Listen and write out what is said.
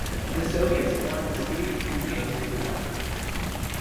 The Soviets won the series two games to one.